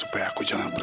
supaya aku jangan pergi